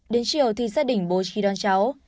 đến chiều thì gia đình bố chỉ đón cháu